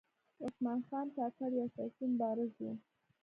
عثمان خان کاکړ یو سیاسي مبارز و .